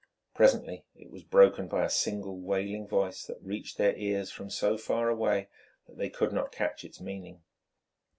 Presently it was broken by a single wailing voice that reached their ears from so far away that they could not catch its meaning.